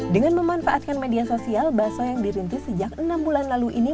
dan memanfaatkan media sosial bakso yang dirintis sejak enam bulan lalu ini